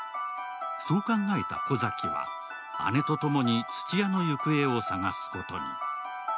そう考えた小崎は、姉とともに土屋の行方を捜すことに。